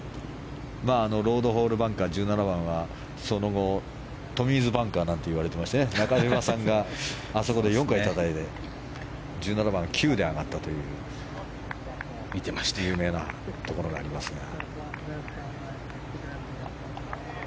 ロードホールバンカー、１７番はその後、トミーズバンカーなんて言われてまして中嶋さんがあそこで４回たたいて１７番、９で上がったという有名なところがありますが。